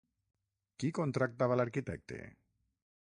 Qui contractava l'arquitecte?